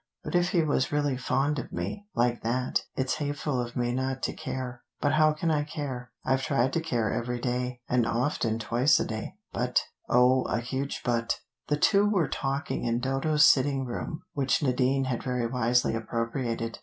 But if he was really fond of me, like that, it's hateful of me not to care. But how can I care? I've tried to care every day, and often twice a day, but oh, a huge 'but.'" The two were talking in Dodo's sitting room, which Nadine had very wisely appropriated.